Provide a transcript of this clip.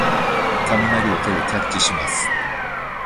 雷を手でキャッチします。